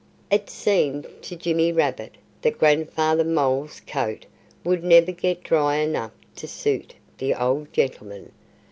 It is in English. It seemed to Jimmy Rabbit that Grandfather Mole's coat would never get dry enough to suit the old gentleman.